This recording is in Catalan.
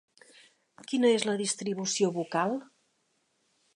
Quina és la distribució vocal?